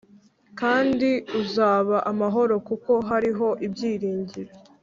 kandi uzaba amahoro kuko hariho ibyiringiro,